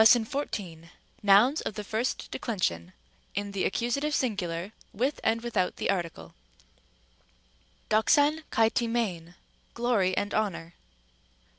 814, Nouns of the first declension, in the accusative sin gular, with and without the article, δόξαν καὶ τιμήν, glory and honor.